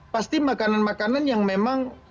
pasti makanan makanan yang memang